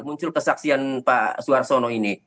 muncul kesaksian pak suarsono ini